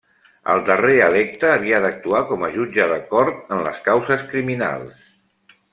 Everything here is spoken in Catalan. El darrer electe havia d'actuar com a jutge de cort en les causes criminals.